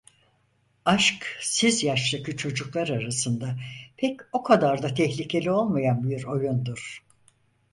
Aşk siz yaştaki çocuklar arasında pek o kadar da tehlikeli olmayan bir oyundur.